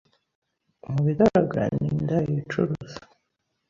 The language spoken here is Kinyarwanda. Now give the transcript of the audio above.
Mu bigaragara ni indaya yicuruza